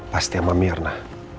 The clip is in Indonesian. pasti sama mirna